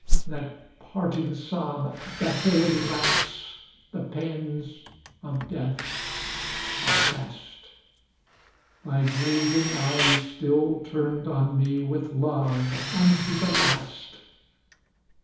That parting sob, that failing glance The pains of death are past! Thy glazing eyes still turned on me With love unto the last!